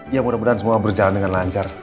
ya mudah mudahan semua berjalan dengan lancar